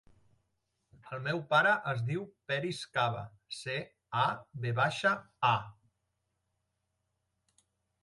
El meu pare es diu Peris Cava: ce, a, ve baixa, a.